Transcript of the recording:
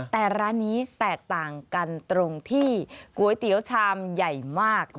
แต่ร้านนี้แตกต่างกันตรงที่ก๋วยเตี๋ยวชามใหญ่มาก